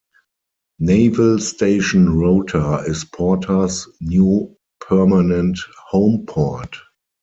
Naval Station Rota is "Porter"s new permanent homeport.